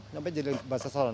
sampai jadi basa sono